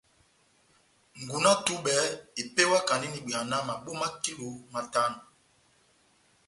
Ngunú ya tubɛ epewakandi n'ibwea mabo ma kilo matano.